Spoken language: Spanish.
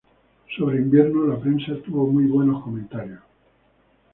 Sobre Invierno la prensa tuvo muy buenos comentarios.